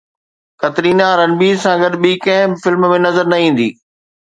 ڪترينا رنبير سان گڏ ٻي ڪنهن به فلم ۾ نظر نه ايندي